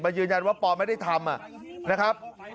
ยืนยันว่าปอไม่ได้ทำนะครับ